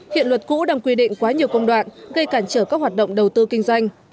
hiện luật cũ đang quy định quá nhiều công đoạn gây cản trở các hoạt động đầu tư kinh doanh